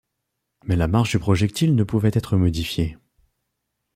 Mais la marche du projectile ne pouvait être modifiée.